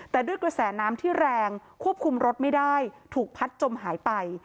แต่ด้วยกระแสน้ำที่แรงควบคุมรถไม่ได้ถูกพัดจมหายไป